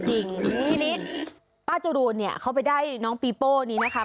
ทีนี้ป้าจุโรนเขาไปได้น้องปีโป้นี้นะคะ